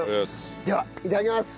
ではいただきます。